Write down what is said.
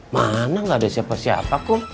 mana gak ada siapa siapa kok